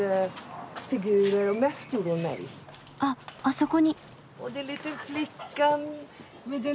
あっあそこに。